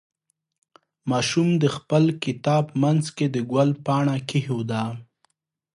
ماشوم د خپل کتاب منځ کې د ګل پاڼه کېښوده.